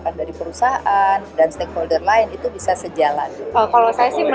jadi pengelolaan kelembagaan bank indonesia